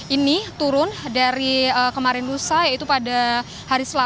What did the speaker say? ini turun dari kemarin lusa yaitu pada hari selasa